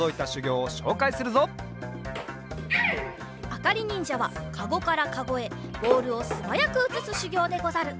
あかりにんじゃはかごからかごへボールをすばやくうつすしゅぎょうでござる。